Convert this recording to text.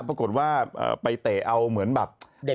ปรากฏว่าไปเตะเอาเหมือนแบบ